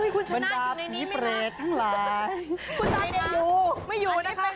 คุณชนะอยู่ในนี้ไหมละ